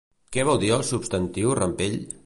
Què vol dir el substantiu rampell?